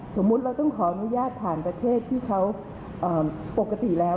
สมมุติเราต้องขออนุญาตผ่านประเทศที่เขาปกติแล้ว